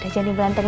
udah jadi berantem